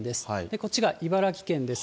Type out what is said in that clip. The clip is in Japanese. こっちが茨城県です。